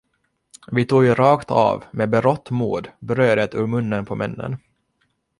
Vi tog ju rakt av med berått mod brödet ur munnen på männen.